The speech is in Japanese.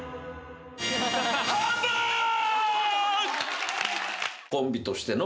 ハンバーグ。